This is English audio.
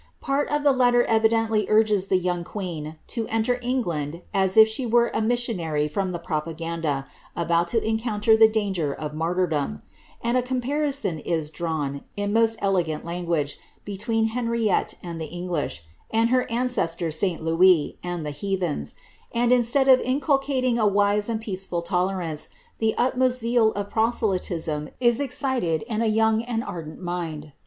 Part of the letter evidently urges the young queen to enter England as if she were a missionary from the propaganda, about to encounter the danger of martyrdom ; and a comparison is drawn, in most eloquent language, be tween Henriette and the English, and her ancestor St. Louis and the ii^raihens ; and, instead of inculcating a wise and peaceful tolerance, the utmost zeal of proselytism is excited in a young and ardent mind.